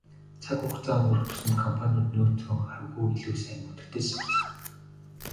Цаг хугацаа өнгөрөх тусам компаниуд нөөцөө хавьгүй илүү сайн удирдаж сурсан.